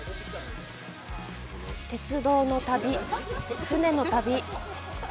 鉄道の旅船の旅